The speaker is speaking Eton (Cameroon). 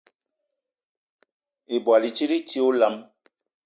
Ibwal i tit i ti olam.